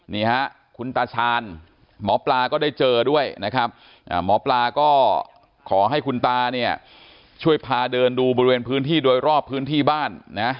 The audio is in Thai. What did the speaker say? นี่ฮะคุณตาชาญหมอปลาก็ได้เจอด้วยนะครับหมอปลาก็ขอให้คุณตาเนี่ยช่วยพาเดินดูบริเวณพื้นที่โดยรอบพื้นที่บ้านนะ